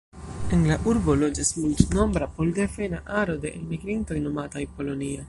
En la urbo loĝas multnombra pol-devena aro de elmigrintoj nomataj: „Polonia”.